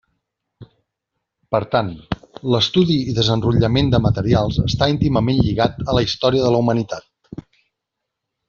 Per tant, l'estudi i desenrotllament de materials està íntimament lligat a la història de la humanitat.